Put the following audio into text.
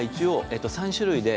３種類で。